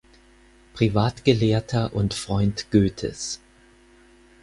Privatgelehrter und Freund Goethes.